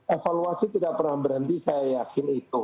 evaluasi tidak pernah berhenti saya yakin itu